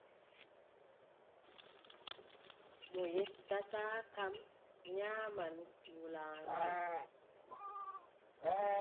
Mo yettataa kam, nyaaman wulaajo.